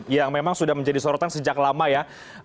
yang memang sudah menjadi sorotan sejak lama ya